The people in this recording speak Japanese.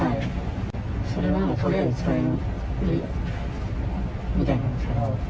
それはとりあえず使えるみたいなんですけど。